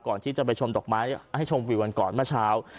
ก่อนที่จะไปชมดอกไม้ให้ชมวิวกันก่อนเมื่อเช้า